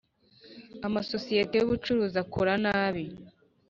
amasosiyete y’ ubucuruzi akora nabi.